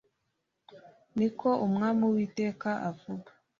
Ni ko Umwami Uwiteka avuga